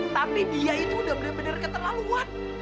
tapi dia itu udah bener bener keterlaluan